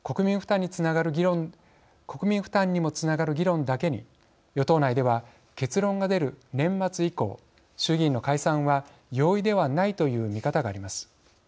国民負担にもつながる議論だけに与党内では結論が出る年末以降衆議院の解散は容易ではないという見方があります。